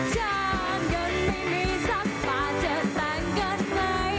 ช่างเงินไม่มีทรัพย์ปากเธอแต่งเงินไหน